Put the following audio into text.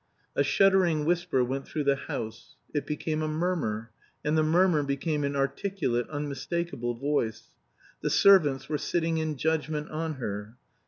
A shuddering whisper went through the house; it became a murmur, and the murmur became an articulate, unmistakable voice. The servants were sitting in judgment on her.